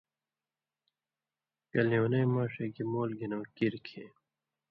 کہ لیونَیں ماݜے گی مُول گھِنؤں کیر کھیں۔